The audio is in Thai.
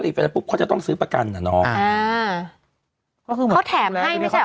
รีไฟแนนซ์ปุ๊บเขาจะต้องซื้อประกันอ่ะน้องอ่าเขาแถมให้ไม่ใช่